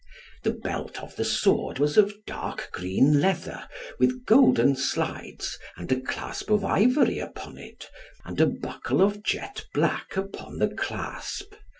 The belt of the sword was of dark green leather with golden slides and a clasp of ivory upon it, and a buckle of jet black upon the clasp.